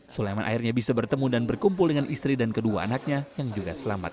sulaiman akhirnya bisa bertemu dan berkumpul dengan istri dan kedua anaknya yang juga selamat